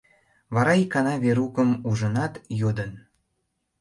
Вара икана Верукым ужынат, йодын: